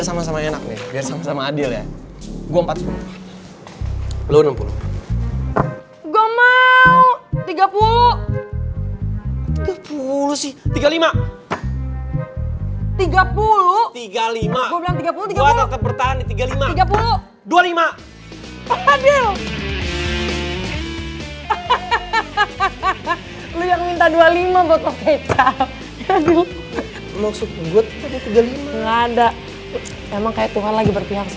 sama mas juna tadi itu siapa